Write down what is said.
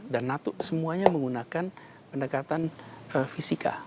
dan semuanya menggunakan pendekatan fisika